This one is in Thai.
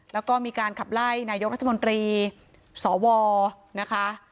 แล้วก็มีการขับไล่นายกรัฐมนตรีสวนะคะ